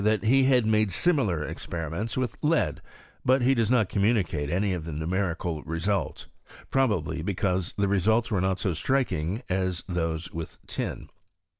that he had made similar experiments with lead ; but he does not communicate any of the numerical results: probably because the results were not so striking as those with tin.